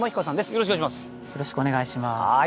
よろしくお願いします。